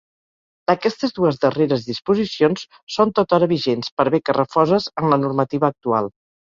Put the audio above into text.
Aquestes dues darreres disposicions són tothora vigents, per bé que refoses en la normativa actual.